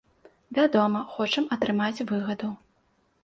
Вядома, хочам атрымаць выгаду.